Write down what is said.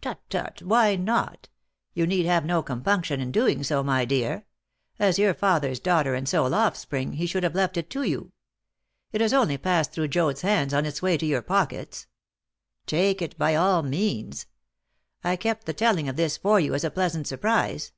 "Tut, tut! Why not? You need have no compunction in doing so, my dear. As your father's daughter and sole offspring, he should have left it to you. It has only passed through Joad's hands on its way to your pockets. Take it by all means. I kept the telling of this for you as a pleasant surprise.